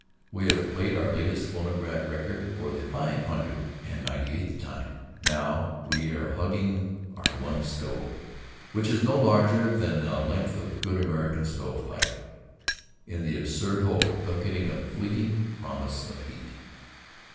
We have played our latest phonograph record for the five hundred and ninety eighth time. Now we are hugging our one stove, which is no larger than a length of good American stove pipe, in the absurd hope of getting a fleeting promise of heat.